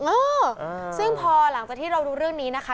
เออซึ่งพอหลังจากที่เรารู้เรื่องนี้นะคะ